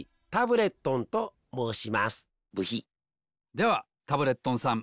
ではタブレットンさん